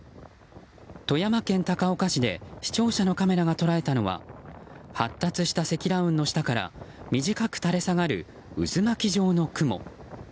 富山県高岡市で視聴者のカメラが捉えたのは発達した積乱雲の下から短く垂れ下がる渦巻き状の雲。